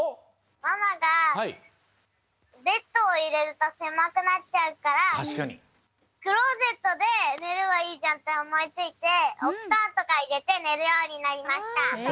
ママがベッドをいれるとせまくなっちゃうからクローゼットで寝ればいいじゃんって思いついておふとんとかいれて寝るようになりました！